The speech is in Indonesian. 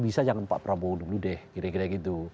bisa jangan pak prabowo dulu deh kira kira gitu